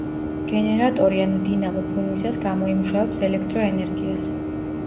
გენერატორი, ანუ დინამო ბრუნვისას გამოიმუშავებს ელექტროენერგიას.